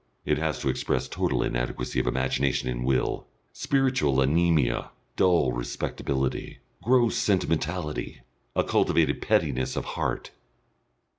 It has to express total inadequacy of imagination and will, spiritual anaemia, dull respectability, gross sentimentality, a cultivated pettiness of heart....